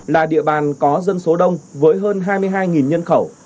là địa bàn có dân số đông với hơn hai mươi hai nhân khẩu